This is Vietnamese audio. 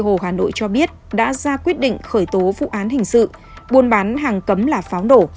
hồ hà nội cho biết đã ra quyết định khởi tố vụ án hình sự buôn bán hàng cấm là pháo nổ